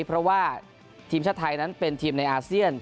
เพราะว่าทีมชาติไทยนั้นเป็นทีมในอาเซียน